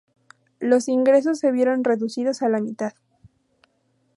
Los ingresos se vieron reducidos a la mitad.